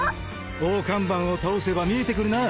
大看板を倒せば見えてくるな。